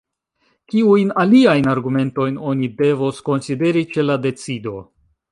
Kiujn aliajn argumentojn oni devos konsideri ĉe la decido?